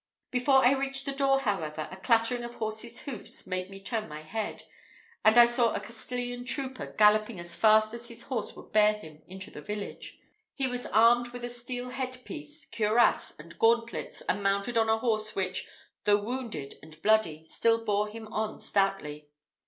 Before I reached the door, however, a clattering of horses' hoofs made me turn my head, and I saw a Castilian trooper galloping as fast as his horse would bear him into the village. He was armed with a steel headpiece, cuirass, and gauntlets, and mounted on a horse which, though wounded and bloody, still bore him on stoutly.